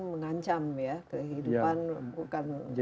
mengancam ya kehidupan